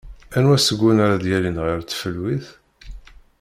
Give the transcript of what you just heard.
Anwa seg-wen ara d-yalin ɣer tfelwit?